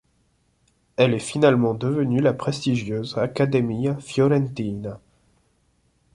Elle est finalement devenue la prestigieuse Accademia Fiorentina.